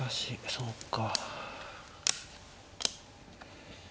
そうか。